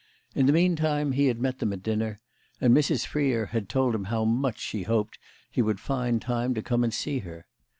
In the meantime he had met them at dinner and Mrs. Freer had told him how much she hoped he would find time to come and see her.